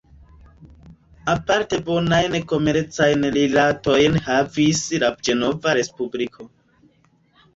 Aparte bonajn komercajn rilatojn havis la Ĝenova Respubliko.